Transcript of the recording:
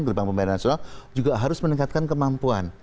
beli bank pembelian nasional juga harus meningkatkan kemampuan